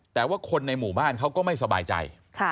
แต่ว่าคนในหมู่บ้านเขาก็ไม่สบายใจ